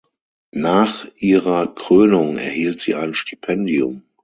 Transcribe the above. Nach ihrer Krönung erhielt sie ein Stipendium.